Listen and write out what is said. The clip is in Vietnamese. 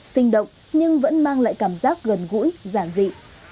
sinh động nhưng vẫn mang lại cảm giác gần gũi giản dị